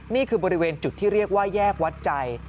นี่คือบริเวณจุดที่เรียกว่าแยกวัดใจ